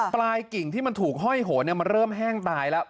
ปลายกิ่งที่มันถูกห้อยโหนมันเริ่มแห้งตายแล้ว